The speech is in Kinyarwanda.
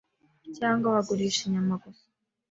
cyangwa bagurisha inyama gusa